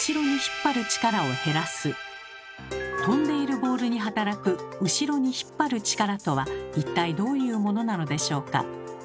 飛んでいるボールに働く「後ろに引っ張る力」とは一体どういうものなのでしょうか？